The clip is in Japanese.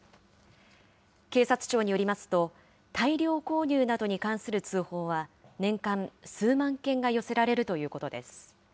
警察庁によりますと、大量購入などに関する通報は、年間、数万件が寄せられるということです。